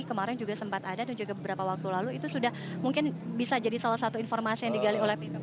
kemarin juga sempat ada dan juga beberapa waktu lalu itu sudah mungkin bisa jadi salah satu informasi yang digali oleh pipa